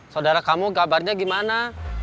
saudara kamu kabarnya gimana